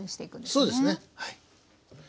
そうですねはい。